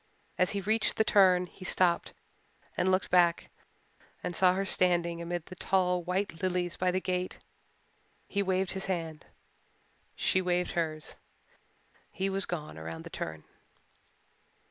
As he reached the turn he stopped and looked back and saw her standing amid the tall white lilies by the gate. He waved his hand she waved hers he was gone around the turn.